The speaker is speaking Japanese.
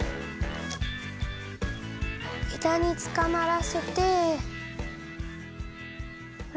枝につかまらせて。